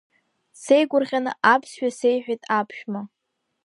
Дсеигәырӷьаны аԥсшәа сеиҳәеит аԥшәма.